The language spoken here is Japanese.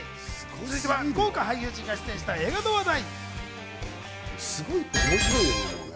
続いては、豪華俳優陣が出演した映画の話題。